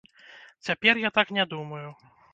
Цяпер я так не думаю.